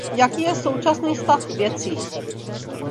Jaký je současný stav věcí?